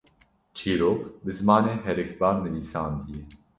çîrok bi zimanê herikbar nivîsandiye